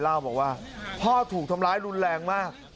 เล่าบอกว่าพ่อถูกทำร้ายรุนแรงมาก